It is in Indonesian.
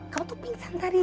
kamu tuh pingsan tadi